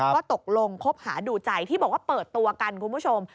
ก็ตกลงคบหาดูใจที่บอกว่าเปิดตัวกันคุณผู้ชม